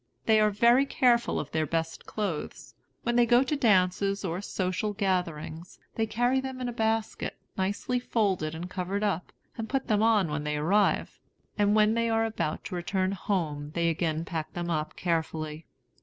They are very careful of their best clothes. When they go to dances, or social gatherings, they carry them in a basket, nicely folded and covered up, and put them on when they arrive; and when they are about to return home they again pack them up carefully.